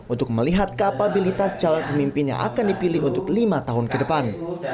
untuk melihat kapabilitas calon pemimpin yang akan dipilih untuk lima tahun ke depan